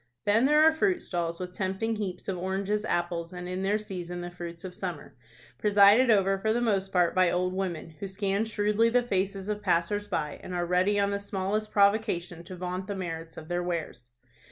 Then there are fruit stalls with tempting heaps of oranges, apples, and in their season the fruits of summer, presided over for the most part by old women, who scan shrewdly the faces of passers by, and are ready on the smallest provocation to vaunt the merits of their wares.